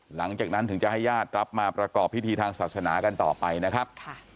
หลังจากนั้นถึงจะให้ญาติรับมาประกอบพิธีทางศาสนากันต่อไปนะครับ